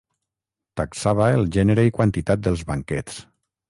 Taxava el gènere i quantitat dels banquets.